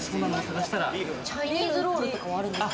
チャイニーズロールとかはあるんですか？